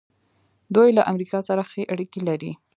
دوی له امریکا سره ښې اړیکې لري.